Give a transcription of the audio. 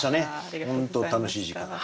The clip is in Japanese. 本当楽しい時間だった。